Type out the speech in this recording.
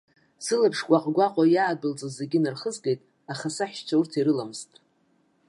Сылаԥш гәаҟ-гәаҟуа иаадәылҵыз зегьы инархызгеит, аха саҳәшьцәа урҭ ирыламызт.